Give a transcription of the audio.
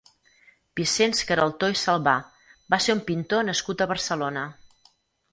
Vicenç Caraltó i Salvà va ser un pintor nascut a Barcelona.